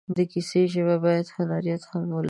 د کیسې ژبه باید هنریت هم ولري.